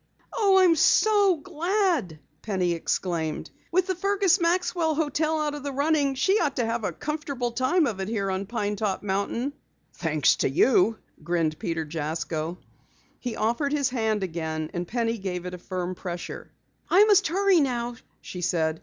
"Oh, I'm so glad!" Penny exclaimed. "With the Fergus Maxwell hotel out of the running, she ought to have a comfortable time of it here on Pine Top mountain." "Thanks to you," grinned Peter Jasko. He offered his hand again and Penny gave it a firm pressure. "I must hurry now," she said.